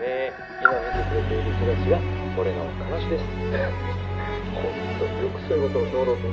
「今見てくれている人たちが俺の彼女です」